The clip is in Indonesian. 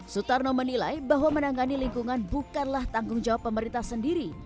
sutarno menilai bahwa menangani lingkungan bukanlah tanggung jawab pemerintah sendiri